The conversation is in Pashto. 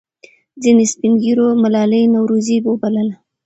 ځینې سپین ږیرو ملالۍ نورزۍ وبلله.